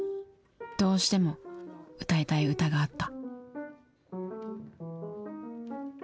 どうしても歌いたい歌があった。